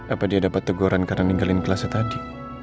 apa dia dapat teguran karena ninggalin kelasnya tadi